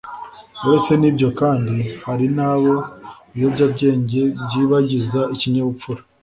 uretse n’ibyo kandi, hari n’abo ibiyobyabwenge byibagiza ikinyabupfura